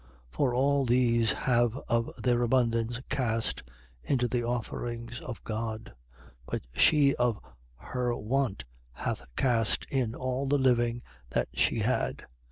21:4. For all these have of their abundance cast into the offerings of God: but she of her want hath cast in all the living that she had.